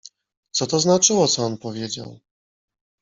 Co to znaczyło co on powiedział?